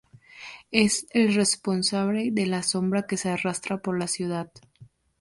Es el responsable de la sombra que se arrastra por la ciudad.